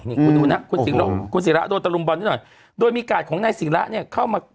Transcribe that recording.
นี่คุณดูนะคุณศิระโดนตะลุมบอลนิดหน่อยโดยมีกาดของนายศิระเนี่ยเข้ามา